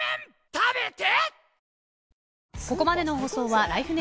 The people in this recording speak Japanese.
食べて！